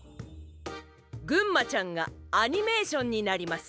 ぐんまちゃんがアニメーションになります」。